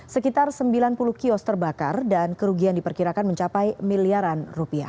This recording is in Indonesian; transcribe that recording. sekitar sembilan puluh kios terbakar dan kerugian diperkirakan mencapai miliaran rupiah